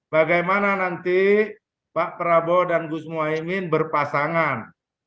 bagaimana nanti pak prabowo dan gus muhaymin berpasangan